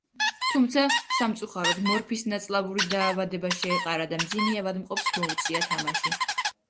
თუმცა სამწუხაროდ მორფის ნაწლავური დაავადება შეეყარა და მძიმე ავადმყოფს მოუწია თამაში.